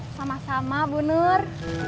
sama sama bu nur